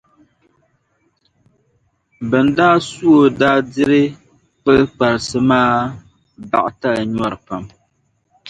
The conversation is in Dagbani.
Bɛn daa su o daa diri kpilikparisi maa baɣitali nyɔri pam.